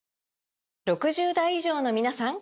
６０代以上のみなさん！